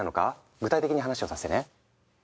具体的に話をさせてね！